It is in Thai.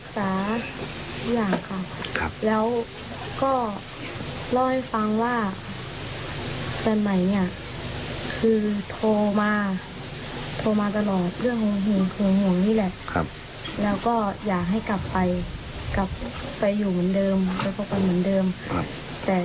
ซึ่งเขาก็มีแฟนใหม่แล้ว